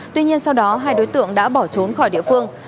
tuy nhiên sau đó hai đối tượng đã bỏ trốn khỏi địa phương